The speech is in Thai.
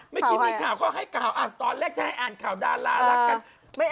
เมื่อกี้มีข่าวก็ให้กล่าวตอนแรกจะให้อ่านข่าวดาราลักษณ์